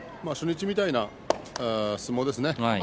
初日みたいな相撲ですね